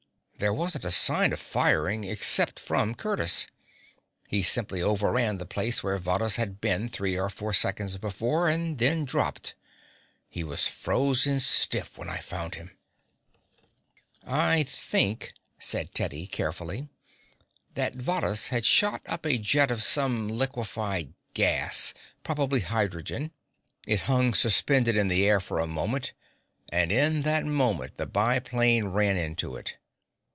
There wasn't a sign of firing except from Curtiss. He simply overran the place where Varrhus had been three or four seconds before and then dropped. He was frozen stiff when I found him." "I think," said Teddy carefully, "that Varrhus had shot up a jet of some liquified gas, probably hydrogen. It hung suspended in the air for a moment, and in that moment the biplane ran into it.